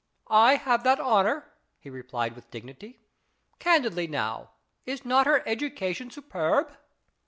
"I have that honour," he replied with dignity. " Candidly now, is not her education superb